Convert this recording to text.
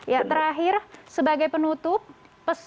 ya terakhir sebagai penutup